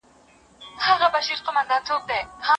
ژوند لکه لمبه ده بقا نه لري